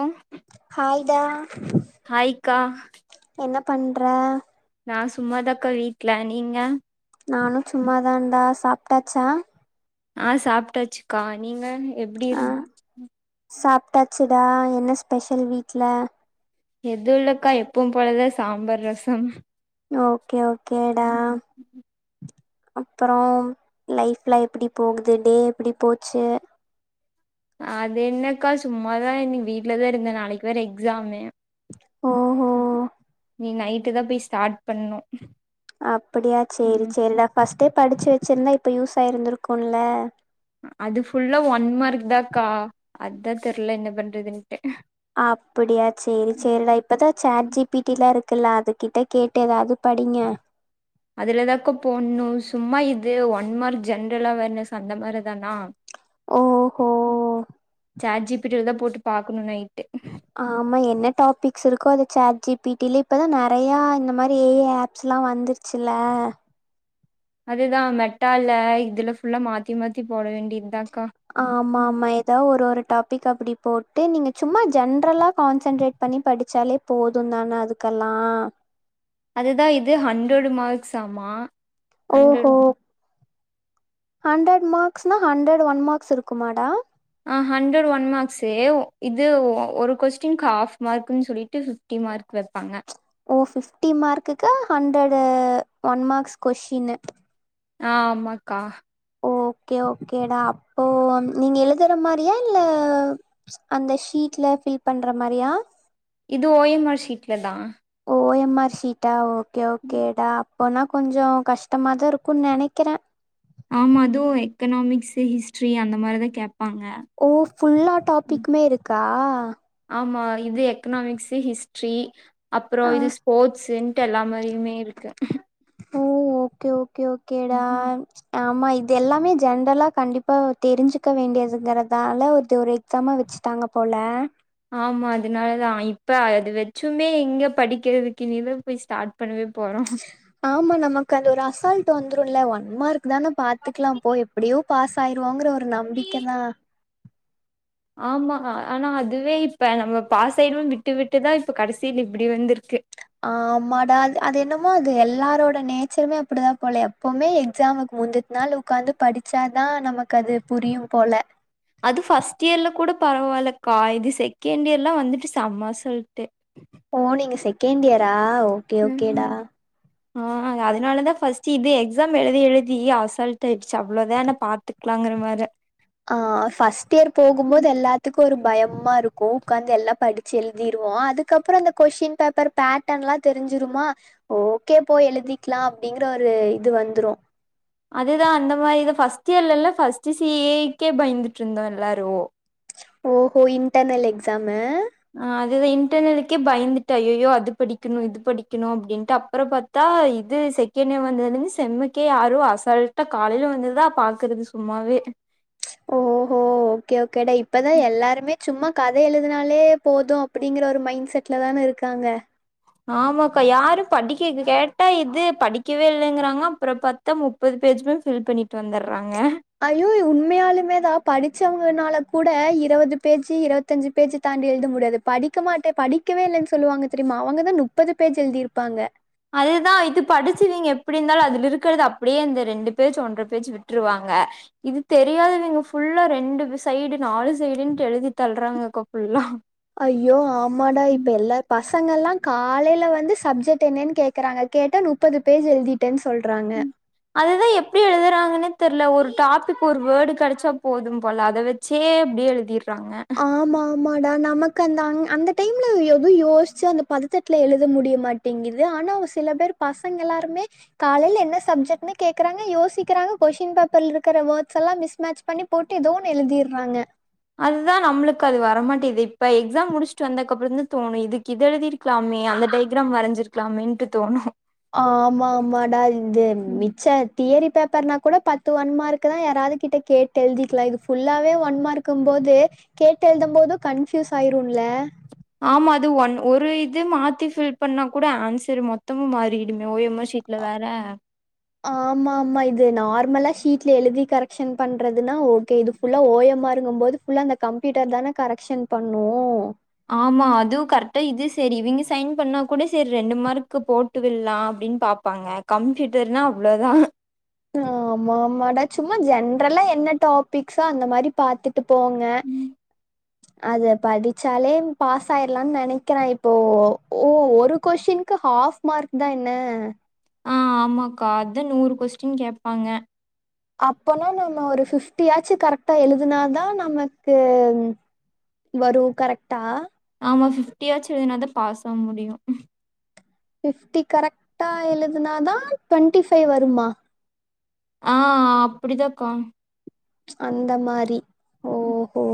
ஓ ஹாய்டா ஹாய்க்கா பண்றே நா சும்மாதாக்க வீட்ல நீங்க நானு சும்மாதான்டா சாப்ட்டாச்சா ஆஹ் சாப்ட்டாச்சுக்கா நீங்க எப்டி இருக் ட்டாச்சுடா என்ன ஸ்பெஷல் வீட்ல எதுவு இல்லக்கா எப்பவு போலதா சாம்பார் ரசம் ஓகே ஓகே கேடா அப்பறோம் லைஃப்லா எப்டி போகுதுடி எப்புடி போச்சு அது என்னெக்கா சும்மாதா இன்னிக் வீட்லதா இருந்தே நாளைக் வேற எக்ஸாமு ஓ ஓ நீ நைட்டு தா போய் ஸ்டாட் பண்ணு அப்படியா செரி ம் செரி டா பஸ்ட் டே படிச்சு வச்சிருந்தா இப்ப யூஸ் ஆயிருந்திருக்குல அ-அது ஃபுல்லா ஒன் மார்க் தாக்கா அதா தெர்ல என்ன பண்றதுன் அப்டியா செரி செரிடா இப்பதா சேட் ஜிபிடி லா இருக்குல அது கிட்ட கேட்டு எதாவ்து படிங்க அதுலதாக்கா போட்ணு சும்மா இது ஒன்மார்க் ஜென்ரல் அவேர்னஸ் அந்த மாரி தானா ஓ ஹோ டில தா போட்டு பாக்கணு நைட்டு ஆமா என்ன டாபிக்ஸ் இருக்கோ அத சாட் ஜி பி டி ல இப்பதா நெறய இந்த மாரி ஏ ஐ ஆப்ஸ்ல்லா வந்துருச்சுல அதுதா மெட்டால இதுல ஃபுல்லா மாத்தி மாத்தி போட வேண்டித்தா ஆமா ஆமா எதா ஒரு ஒரு டாபிக் அப்டி போட்டு நீங்க சும்மா ஜென்ரலா கான்சன்ட்ரேட் பண்ணி படிச்சாலே போது தானே அதுக்கெல்லா அதுதா இது ஹண்ட்ரட் மார்க்ஸ் ஆமா ஓ ஹோ ஹண்ட்ரட் மார்க்ஸ்னா ஹண்ட்ரட் ஒன் மார்க்ஸ் இருக்குமாடா ஹா ஹண்ட்ரட் ஒன் மார்க்ஸு இது ஒ- ஒரு கொஸ்டின்க் ஹாஃப் மார்க்குன் சொல்லிட்டு ஃபிஃப்டி மார்க் வெப்பாங்க ஓ ஃபிப்டி மார்க்குக்கு ஹண்ட்ரடு ஒன் மார்க்ஸ் கொஷ்டீனு அ ஆமாக்கா ஓகே ஓகேடா அப்போ நீங்க எழுதுற மாரியா இல்ல அந்த ஷீட்ல ஃபில் பண்ற மாரியா இது ஓ எம் ஆர் ஷீட்ல தா ஓ எம் ஆர் ஷீட்டா ஓ ஓகே ஓகேடா போனா கொஞ்சோ கஷ்டமாதா இருக்குனு நெனைக்கிறே ஆமா அதுவு எக்கனாமிக்சு ஹிஸ்ட்ரி அந்த மாரிதா கேப் ஓ ஃபுல்லா டாப்பிக்குமே இருக்கா ஆ ஆமா இது எக்கனாமிக்சு ஹிஸ்ட்ரி அப்புறோ ஆ இது ஸ்போர்ட்ஸுன் ன்டு எல்லா மாரியுமே இருக்கு ஓ ஓகே ஓ கே ஓகே டா ம் ஆமா இது எல்லாமே ஜென்ரலா கண்டிப்பா தெரிஞ்சுக்க வேண்டியதுங்கறதால இதுவரைக் [unintelligible] வச்சுட்டாங்க போல அதனால தா இப்போ அது வெச்சுமே எங்கே படிக்கிறதுக் இனி தா போய் ஸ்டாட் பண்ணவேப் ஆமா நமக்கு அது ஒரு அசால்ட் வந் ந்துரும்ல ஒன்மார்க் அதான பாத்துக்கலாம் போ எப்படியோ பாஸ் வோங்கற ஒரு நம்பிக்கதான் ஆமா ஆனா அதுவே இப்ப நம்ம பாசாய்ருவோம்னு விட்டு விட்டுதான் இப்ப கடைசில இப்படி வந்திருக்கு ஆமாடா அது என்னமோ அது எல்லாரோட நேச்சருமே அப்படிதான் போல எப்பவுமே எக்ஸாமுக்கு முந்துநாள் உக்காந்து படிச்சாதான் நமக்கு அது புரியும் போல அது ஃபர்ஸ்ட் இயர்ல கூட பரவால்லக்கா இது செகண்ட் இயர்லாம் வந்துட்டு செம்மா அசால்ட்டு செகன்ட் இயர் ஆ ஆ ஓகே ஓகேடா ம் ஆ அதனாலதான் ஃபர்ஸ்ட் இது எக்ஸாம் எழுதி எழுதி அசால்ட ஆயிருச்சு ஆ ஃபஸ்ட் இயர் போகும்போது எல்லாத்துக்கும் ஒரு பயமா இருக்கும் உக்காந்து எல்லாம் படிச்சு எழுதிருவோம் அதுக்கப்புறம் அந்த கொஷ்டின் பேப்பர் பேட்டர்ன் எல்லாம் தெரிஞ்சுருமா ஓகே போய் எழுதிக்கலாம் அப்படிங்கற ஒரு இது வந்துரும் அதேதான் அந்த மாரி இத ஃபர்ஸ்ட் இயர்ல இல்ல ஃபஸ்ட் சிஏ ஏக்கே பயந்துட்டு இருந்தோம் எல்லாரும் ஓகோ இன்ட்டர்னல் எக்ஸாமு ஆ அதுதான் இன்டர்நெலுக்கே பயந்துட்டு அய்யய்யோ அது படிக்கணும் இது படிக்கணும் அப்படின்ட்டு அப்புறம் பார்த்தா இது செகண்ட் இயர் வந்ததுலேருந்து செம்முக்கே யாரும் அசால்ட்டா காலையில வந்துதான் பாக்குறது சும்மாவே ஓஹோ ஓகே ஓகேடே இப்பதான் எல்லாருமே சும்மா கதை எழுதுனாலே போதும் அப்படிங்கற ஒரு மைண்ட் செட்ல தான இருக்காங்க ஆமாக்கா யாரும் படிக்க கேட்டா இது படிக்கவே இல்லங்கறாங்க அப்புறம் பத்தா முப்பது பேஜுமே ஃபில் பண்ணிட்டு வந்துறாங்க ஐய்யோ உண்மையாலுமே தான் படிச்சவங்கனால கூட இருபது பேஜு இருபத்தஞ்சு பேஜு தாண்டி எழுத முடியாது படிக்க மாட்டேன் படிக்கவே இல்லன்னு சொல்லுவாங்க தெரியுமா அவங்கதான் முப்பது பேஜ் எழுதிருப்பாங்க அதுதான் இது படிச்விங்க எப்படி இருந்தாலும் அதுல இருக்கிறது அப்படியே அந்த ரெண்டு பேஜ் ஒன்ற பேஜ் விட்டுருவாங்க இது தெரியாதவங்க புல்லா ரெண்டு சைடு நாலு சைடுன்டு எழுதிட்டு ஐயோ ஆமாடா இப்ப எல்லா பாஸ் பசங்கல்லாம் காலையில வந்து சப்ஜெக்ட் என்னன்னு கேக்குறாங்க கேட்டா முப்பது பேஜ் எழுதிட்டேன் சொ அதுதான் எப்டி எழுதுறாங்கன்னு தெர்ல ஒரு டாபிக் ஒரு வேர்டு கேடச்சா போதும் போல அத வச்சே எப்படி எழுதிரு ஆமா ஆமாடா நமக்கு அந்த அ அந்த டைம்ல எதும் யோசிச்சு அந்த பதடத்துல எழுத முடிய மாட்டேங்குது ஆனா அவ சில பேர் பசங்க எல்லாருமே காலைல என்ன சப்ஜெட்ன்னு கேக்குறாங்க யோசிக்கிறாங்க கொஸ்டின் பேப்பர்ல இருக்கிற வேர்ட்ஸ் எல்லாம் மிஸ்மேட்ச் பண்ணி போட்டு ஏதோ ஒன்னு எழுதிறாங்க அதுதான் நம்மளுக்கு அது வரமாட்டேது இப்ப எக்ஸாம் முடிச்சுட்டு வந்தக்க அப்புறம் தான் தோணும் இதுக்கு இது எழுதிருக்கலாமே அந்த டையகிராம் வரைஞ்சிருக்கலாமேன்ட்டு தோணும் ஆமா ஆமாடா இது ம் மிச்ச தியரி பேப்பர்னா கூட பத்து ஒன் மார்க் தான் யாரது கிட்ட கேட்டு எழுதிக்கலாம் இது ஃபுல்லாவே ஒன் மார்க்கும் போது கேட்டு எழுதம் போதும் கன்ஃபியூஸ் ஆயிரும்ல ஆமா அது ஒன் ஒரு இது மாத்தி ஃபில் பண்ணா கூட ஆன்சர் மொத்தமும் மாறிடும் ஓ எம் ஆ ஷீட்ல வேற ஆமா ஆமா இது நார்மலா ஷீட்ல எழுதி கரெக்க்ஷன் பண்றதுனா ஓகே இது ஃபுல்லா ஓ எம் மாறுங்க போது ஃபுல்லா அந்த கம்ப்யூட்டர் தானே கரெக்ஷன் பண்ணும் ஆமா அது கரெக்டா இது செரி இவங்க சைன் பண்ணா கூட செரி ரெண்டு மார்க்கு போட்டு விடலாம் அப்டின்னு பாப்பாங்க கம்ப்யூட்டர்னா அவ்வளோதான் ஆமா ஆமாட சும்மா ஜென்ரலா என்ன டாபிக்ஸ் அந்த மாரி பாத்துட்டு போங்க அத படிச்சாலே பாஸ் ஆயிரலாம்னு நெனைக்கிறேன் இப்போ ஓ ஒரு கொஷின்க்கு ஹாப் மார்க் தான் என்ன ஆ ஆமாக்கா அத நூறு கொஸ்டின் கேப்பாங்க அப்போனா நம்ம ஒரு பிப்டியாச்சு கரெக்டா எழுதுனாதான் நமக்கு வரும் கரெக்டா ஆமா பிப்டியாச்சி எழுதினாதான் பாஸ் ஆக முடியும் பிப்டி கரெக்டா எழுதுனாதான் ட்வெண்ட்டி ஃபைவ் வருமா ஆ அப்டிதான்க்கா அந்த மாரி ஓஹோ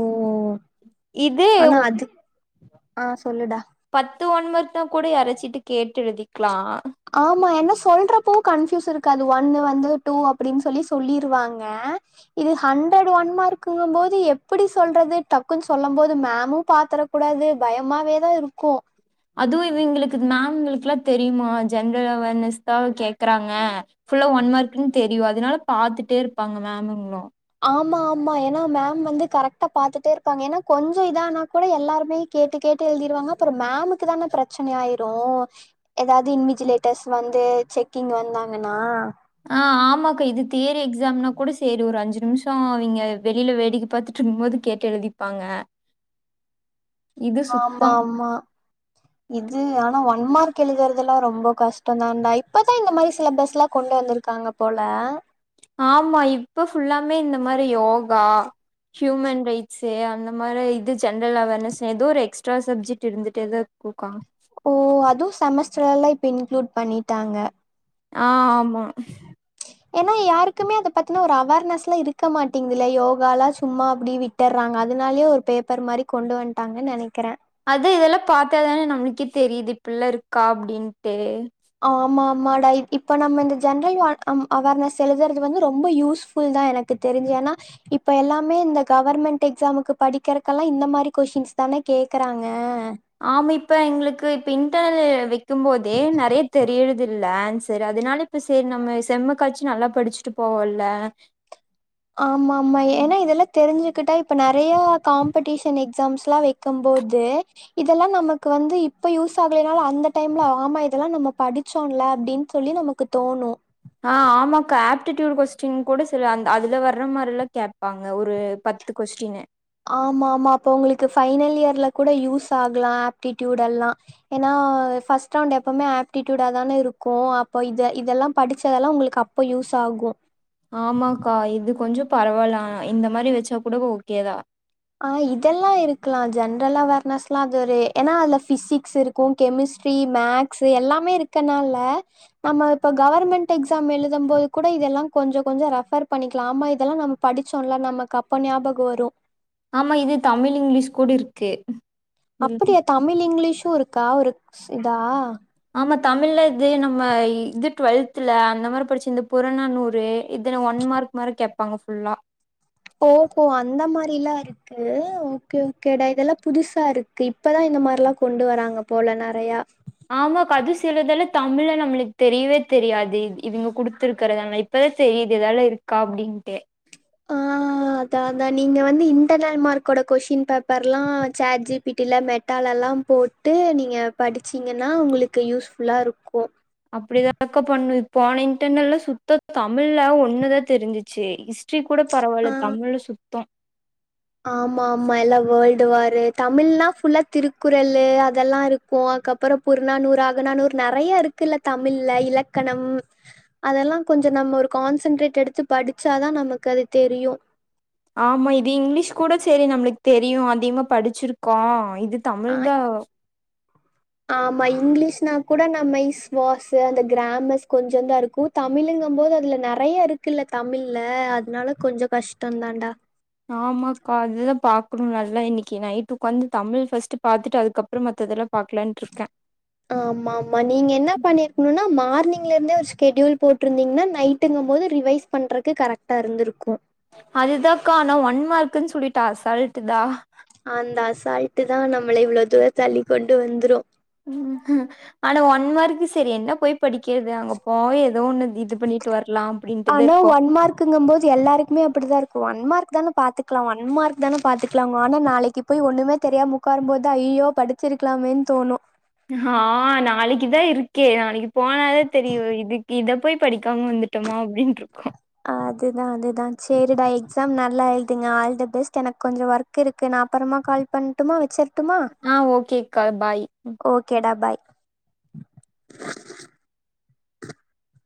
இதே ஆனா ஒ அது ஆஹ் சொல்லுடா து ஒன் மார்க்தா கூட யாராச்சுட்டு கேட்டு எழுதிக்லா ஆமா என்ன சொல்றப்போ கன்பியூஸ் இருக்காது ஒன்னு வந்து டூ அப்டின்னு சொல்லி சொல்லிருவாங்க இது ஹண்ட்ரட் ஒன் மார்க்குங்க போது எப்டி சொல்றது டக்குன் சொல்லம் போது மேமு பாத்தர கூடாது பயமாவேதா இருக்கு அதுவு இவிங்களுக்கு இது மேம்ங்களுக்குலா தெரியுமா ஜென்ரல் அவேர்னஸ் தா கேக்குறாங்க ஃபுல்லா ஒன் மார்க்குன்னு தெரியு அதனால பாத்துட்டே இருப்பாங்க மேம்முங்ளு ஆமா ஆமா ஏனா மேம் வந்து கரெக்டா பாத்துட்டே இருப்பாங்க ஏனா கொஞ்ச இதானா கூட எல்லாருமே கேட்டு கேட்டு எழுதிருவாங்க அப்ற மேமுக்கு தானே பிரச்சனயாய்ரு எதாது இன்விஜிலேட்டர்ஸ் வந்து செக்கிங் வந்தாங்கனா ஆஹ் ஆமாக்கா இது தியரி எக்ஸாம்னா கூட சேரி ஒரு அஞ்சு நிம்ஷ அவிங்க வெளில வேடிக்க பாத்துட்டு இருக்கும் போது கேட்டு எழுதிப்பாங்க இது சுத்தம் ஆமா ஆமா இது ஆனா ஒன்மார்க் கெழுதுறதுலா ரொம்ப கஷ்டந்தா டா இப்பதா இந்த மாரி சிலபஸ்லா கொண்டு வந்துருக்காங்க போல ஆமா இப்ப ஃபுல்லாமே இந்த மாரி யோகா ஹியூமன் ரைட்ஸு அந்த மாரி இது ஜென்ரல் அவேர்னஸ் எதோ ஒரு எக்ஸ்ட்ரா சப்ஜெக்ட் இருந்துட்டேதா இருக்கு கா ஓ அதா செமஸ்டர்லா இப்ப இன்க்ளூட் பண்ணிட்டாங்க ஆஹ் ஆமா ஏனா யாருக்குமே அத பத்தினா ஒரு அவேர்னஸ்லா இருக்க மாட்டேங்குதுல்ல யோகாலா சும்மா அப்டி விட்டர்றாங்க அதனாலே ஒரு பேப்பர் மாரி கொண்டு வன்ட்டாங்கன் நெனைக்கிறே அது இதெல்லா பாத்தாதானே நம்மளுக்கே தெரியுது இப்புட்லா இருக்கா அப்டின்ட்டு ஆமா ஆமா டா இப்ப நம்ம இந்த ஜென்ரல் அ அவ் அவேர்னஸ் எழுதுறது வந்து ரொம்ப யூஸ்ஃபுல் தா எனக்கு தெரிஞ்சு ஆனா இப்ப எல்லாமே இந்த கவர்மெண்ட் எக்ஸாமுக்கு படிக்கிறக்கெல்லா இந்த மாரி கொஷின்ஸ் தானே கேக்குறாங்க ஆமா இப்ப எங்களுக்கு இப்ப இன்டெர்னல் வைக் கும்போது நெறைய தெரியறதில் நான் சேரி அதனால இப்ப சேரி நம்ம செம்முக்காச்சு நல்லா படிச்சுட்டு போவோல்ல ஆமா ஆமா ஏனா இதெல்லா தெரிஞ்சு கிட்டா இப்ப நெறையா காம்படீஷன் எக்ஸாம்ஸ்லா வெக்கம்போது இதெல்லா நமக்கு வந்து இப்ப யூஸ் ஆகலனாளு அந்த டைம்ல ஆமா இதெல்லா நம்ம படிச்சோல அப்டின் சொல்லி நமக்கு தோணு ஆஹ் ஆமாக்கா ஆப்டிட்யூட் கொஸ்டின் கூட சில அந் அதுல வர்ற மாரிலா கேப்பாங்க ஒரு பத்து கொஸ்டின்னு ஆமா ஆமா அப்போ உங்களுக்கு ஃபைனல் இயர்ல கூட யூஸ் ஆக்லா ஆப்ட்டிட்யூட் எல்லா ஏனா ஃபர்ஸ்ட் ரவுண்ட் எப்போமே ஆப்ட்டிட்யூடா தானே இருக்கு அப்ப இத இதெல்லா படிச்சதெல்லா உங்களுக்கு அப்ப யூஸ் ஆகு ஆமாக்கா இது கொஞ்சம் பரவால்ல இந்த மாரி வெச்சா கூட ஓகேதா ஆஹ் இதெல்லா இருக்கலா ஜென் ட்ரல் அவேர்ணஸ்லா அது ஒரு ஏனா அதுல ஃபிசிக்ஸ் இருக்கு கெமிஸ்ட்ரி மேக்ஸு எல்லாமே இருக்கனால நம்ம இப்ப கவர்மெண்ட் எக்ஸாம் எழுதம் போது கூட இதெல்லா கொஞ்ச கொஞ்ச ரெஃபர் பண்ணிக்லா ஆமா இதெல்லா நம்ம படிச்சோல நமக்கு அப்ப ஞாபக வரு ஆமா இது தமிழ் இங்லீஷ் கூட இருக்கு இதுல அப்டியா தமிழ் இங்லீஷ் பூ இருக்கா இருக் இந்தா நம்ம தமிழ்ல இது நம்ம இது டுவெல்த்துல அந்த மாரி படிச்சு இந்த புறனாநூறு இதுன்ன ஒன் மார்க் மாரி கேட்பாங்க ஃபுல்லா ஓஹோ அந்த மாரிலா இருக்கு ஓகே ஓகேடா இதெல்லா புதுசா இருக்கு இப்பதா இந்த மார்லா கொண்டு வராங்க போல நெறையா ஆமா கத சொல்றதெல்ல தமிழ்ல நம்மளுக்கு தெரியவே தெரியாது இவ்ங்க குடுத்துருக்கறதான இப்ப தெரியுது நல்லா இருக்கா அப்டின்ட்டு ஆஹ் அதான நீங்க வந்து இன்டர்னல் மார்க்கோட கொஷின் பேப்பர்லா சேட் ஜி பி டி ல மெட்டாலலா போட்டு நீங்க படிச்சீங்கனா உங்களுக்கு யூஸ்ஃபுல்லா இருக்கு அப்டிதாக்கா பண்ணுவே போன இன்டர்நெல்ல சுத்த தமிழ்னா என்னனே தெரிஞ்சிச்சு ச்சி கூட ஆ பரவால்ல தமிழ்ல சுத் த்த ஆமா ஆமா எல்லா வேல்ட் டுவரு தமிழ்னா ஃபுல்ல திருக்குறளு அதெல்லா ‌இருக்கு அதுக்கப்பற புறநானூறு அகநானூறு நெறையா இருக்குல்ல தமிழ்ல இலக்கணம் அதெல்லா கொஞ்ச நம்ம ஒரு கான்சென்ட்ரேட் எடுத்து படிச்சாதா நமக்கு அது தெரியு ஆமா இது இங்கலீஷ் கூட சேரி நம்மளுக்கு தெரியு அதிகமா படிச்சிருக்கோ இது ஆ தமிழ் தா ஆமா இங்லீஷ்னா கூட நம்ம ஸ் வாஸு அந்த கிராமர்ஸ் கொஞ்சந்தா இருக்கு தமிழுங்கம் போது அதுல நெறையா இருக்குல்ல தமிழ்ல அதனால கொஞ்ச கஷ்டந்தான்டா ஆமாக்கா அதுதா பாக்கணு நல்லா இன்னக்கி நைட்டு ஒக்காந்து தமிழ் ஃபஸ்ட்டு பாத்துட்டு அதுக்கப்ற மத்தெல்லா பாக்கலான்ட்ருக்கே ஆமா ஆமா நீங்க என்ன பண்ணிருக்கணும்னா மார்னிங் மார்னிங் ல இருந்து ஒரு ஷெட்யூல் போட்டிருந்தீங்கன்னா நைட்டுங்கும் போது ரிவைஸ் பண்றதுக்கு கரெக்டா இருந்து இருக்கும் அதுதான் காணோ ஒன் மார்க்கன்னு சொல்லிட்டா அசால்ட்டா அந்த அசால்ட்டு தான் நம்மள இவ்வளவு தூரம் தள்ளிக்க கொண்டு வந்துரும் உம் ஆனா ஒன் மார்க்கு செரி என்ன போய் படிக்கிறது அங்க போ ஏதோ ஒண்ணு இது பண்ணிட்டு வரலா அப்படின்ட்டுதா ஆனா இருக்கோ ஒன் மார்க்குங்கும் போது எல்லாருக்குமே அப்படிதான் இருக்கும் ஒன் மார்க் தான பாத்துக்கலாம் ஒன்மா்கக்கு தானே பாத்துக்கலாங் ஆனா நாளைக்கு போய் ஒண்ணுமே தெரியா உட்காரரும் போது ஐய்யய்யோ படிச்சிருக்கலாமோனு தோணும் ஆஹ் நாளைக்குதான் இருக்கேன் நாளைக்கு போனாதே தெரியும் இதுக்கு இத போய் படிக்காம வந்துட்டோமா அப்படின்னு அதுதான் அதுதான் சேரிடா எக்ஸாம் நல்லா எழுதுங்க ஆல் த பெஸ்ட் எனக்கு கொஞ்சம் ஒர்க் இருக்கு நான் அப்புறமா கால் பண்ணுட்டுமா ஆஹ் ஓகேக்கா பாய் ஓகேடா [inaudible]